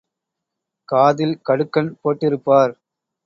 காதில் கடுக்கன் போட்டிருப்பார்.